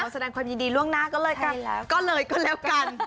แสดงความยินดีล่วงนาก็เลยก็แล้วกัน